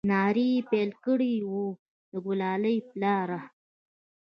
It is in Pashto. نارې يې پيل كړې وه د ګلالي پلاره!